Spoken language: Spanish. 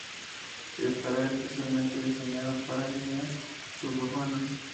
Estará especialmente diseñado para líneas suburbanas.